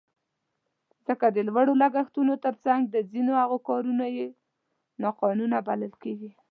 ځکه د لوړو لګښتونو تر څنګ د ځینو هغو کارونه یې ناقانونه بلل کېږي.